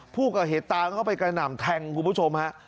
ผู้ก่อเหตุตามเข้าไปกระหน่ำแทงคุณผู้ชมฮะ